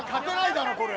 だろこれ。